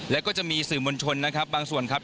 แล้วก็จะมีสื่อมวลชนนะครับบางส่วนครับ